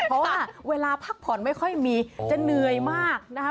เพราะว่าเวลาพักผ่อนไม่ค่อยมีจะเหนื่อยมากนะคะ